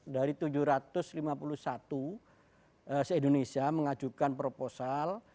dari tujuh ratus lima puluh satu se indonesia mengajukan proposal